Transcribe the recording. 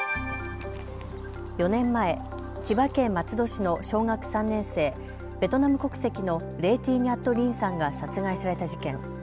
４年前、千葉県松戸市の小学３年生、ベトナム国籍のレェ・ティ・ニャット・リンさんが殺害された事件。